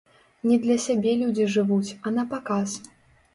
Не для сябе людзі жывуць, а напаказ.